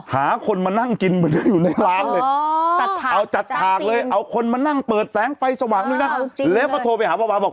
อ๋อหาคนมานั่งกินอยู่ในร้างเลย